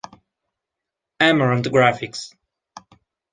Amaranth Graphics.